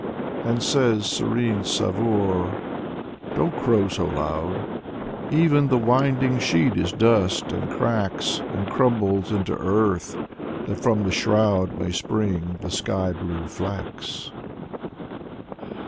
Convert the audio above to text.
" And says serene Savoor: " Don't crow so loud I Even the winding sheet is dust, and cracks And crumbles into earth, that from the shroud May spring the sky blue flax."